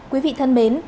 quý vị thân mến